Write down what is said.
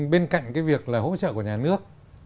bên cạnh cái việc là hỗ trợ của nhà nước